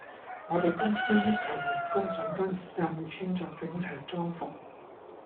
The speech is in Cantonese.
我哋公司要求員工上班時間要穿著整齊裝服